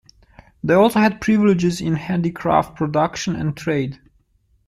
They also had privileges in handicraft production and trade.